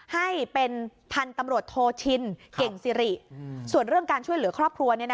ให้เป็นพันธุ์ตำรวจโทชินเก่งสิริส่วนเรื่องการช่วยเหลือครอบครัว